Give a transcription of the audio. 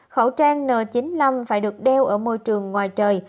khẩu trang n chín mươi năm phải được đeo ở môi trường ngoài trời